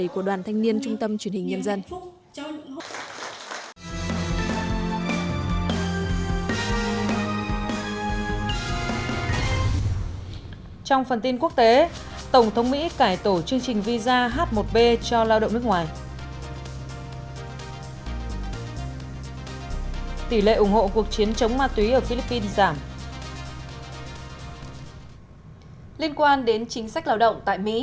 của đoàn thanh niên trung tâm truyền hình nhân dân